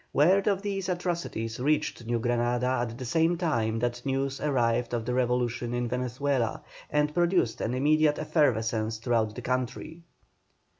Word of these atrocities reached New Granada at the same time that news arrived of the revolution in Venezuela, and produced an immediate effervescence throughout the country.